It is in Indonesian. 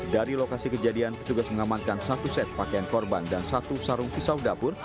dari lokasi kejadian petugas mengamankan satu set pakaian korban dan satu sarung pisau dapur